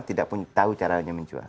tidak tahu caranya menjual